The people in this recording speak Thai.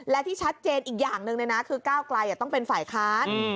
และที่ชัดเจนอีกอย่างหนึ่งเลยนะคือก้าวไกลต้องเป็นฝ่ายค้าน